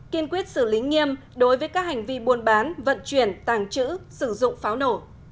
kiên quyết xử lý nghiêm đối với các hành vi buôn bán vận chuyển tàng trữ sử dụng pháo nổ